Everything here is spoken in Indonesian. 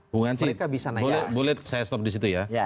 bung ence boleh saya stop di situ ya